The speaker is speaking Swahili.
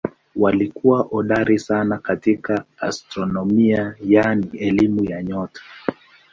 Walikuwa hodari sana katika astronomia yaani elimu ya nyota.